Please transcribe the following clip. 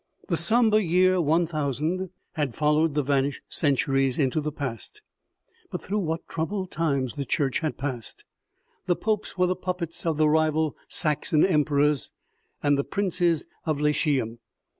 The somber year 1000 had followed the vanished cen turies into the past, but through what troubled times the Church had passed ! The popes were the puppets of the rival Saxon emperors and the princes of Latium.